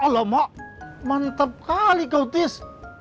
alamak mantap kali kau tis